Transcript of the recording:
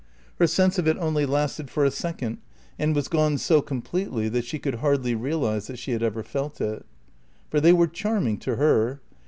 Her sense of it only lasted for a second, and was gone so completely that she could hardly realise that she had ever felt it. For they were charming to her.